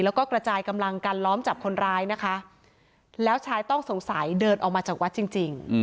แล้วก็กระจายกำลังกันล้อมจับคนร้ายนะคะแล้วชายต้องสงสัยเดินออกมาจากวัดจริงจริง